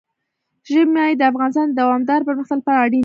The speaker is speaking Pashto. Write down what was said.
ژمی د افغانستان د دوامداره پرمختګ لپاره اړین دي.